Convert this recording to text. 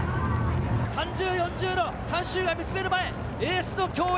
３重４重の観衆が見つめる前、エースの競演。